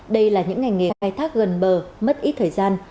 đây là những ngành nghề khai thác gần bờ mất ít thời gian